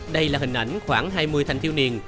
đây là hình ảnh khoảng hai mươi thành tiêu niên